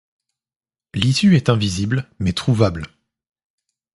L’issue est invisible, mais trouvable.